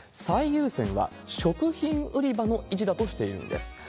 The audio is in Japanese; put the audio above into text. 最優先は食品売り場の維持だとしているんです。